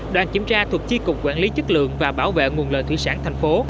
đoàn kiểm tra thuộc chi cục quản lý chất lượng và bảo vệ nguồn lợi thủy sản thành phố